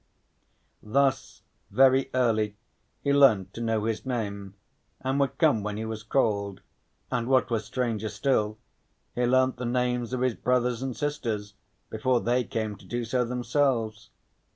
Thus very early he learnt to know his name, and would come when he was called, and what was stranger still, he learnt the names of his brothers and sisters before they came to do so themselves.